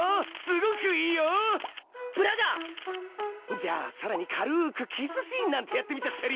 じゃあさらに軽くキスシーンなんてやってみちゃったり。